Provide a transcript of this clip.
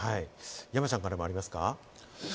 山ちゃんからもありますか？